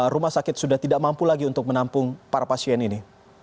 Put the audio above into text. rumah sakit sudah tidak mampu lagi untuk menampung para pasien ini